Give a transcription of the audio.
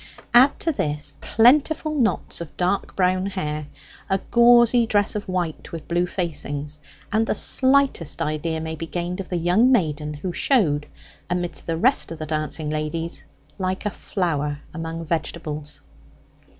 Add to this, plentiful knots of dark brown hair, a gauzy dress of white, with blue facings; and the slightest idea may be gained of the young maiden who showed, amidst the rest of the dancing ladies, like a flower among vegetables.